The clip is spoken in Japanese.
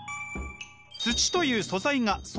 土という素材が外。